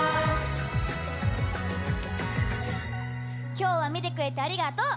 今日は見てくれてありがとう！